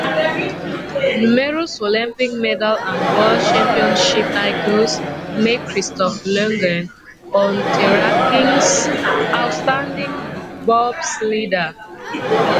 Numerous Olympic medals and world championship titles make Christoph Langen Unterhaching's outstanding bobsledder.